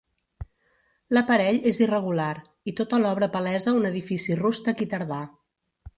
L'aparell és irregular, i tota l'obra palesa un edifici rústec i tardà.